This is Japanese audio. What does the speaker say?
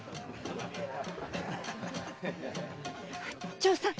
長さん！